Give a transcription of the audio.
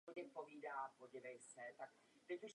Hlavní postavu Ryana Harrisona hraje herec Leslie Nielsen.